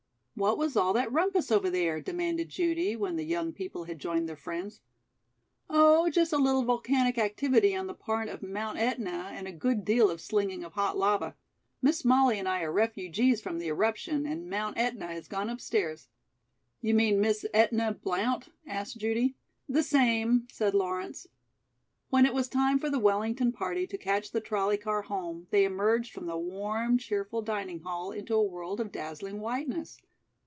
"What was all that rumpus over there?" demanded Judy when the young people had joined their friends. "Oh, just a little volcanic activity on the part of Mount Ætna and a good deal of slinging of hot lava. Miss Molly and I are refugees from the eruption, and Mount Ætna has gone upstairs." "You mean Miss Ætna Blount?" asked Judy. "The same," said Lawrence. When it was time for the Wellington party to catch the trolley car home, they emerged from the warm, cheerful dining hall into a world of dazzling whiteness.